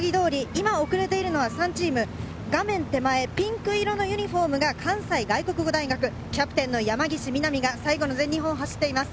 今、遅れているのは３チーム、画面手前、ピンク色のユニホームが関西外国語大学、キャプテンの山岸みなみが最後の全日本を走っています。